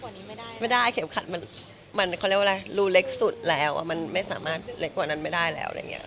มันว่าไม่ได้เข็บขัดมันมันเร็วอะไรรูเล็กสุดแล้วมันสามารถเล็กกว่านั้นไม่ได้แล้วอะไรอย่างเงี้ยค่ะ